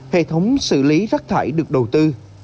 hệ thống xử lý rắc thải được đầu tư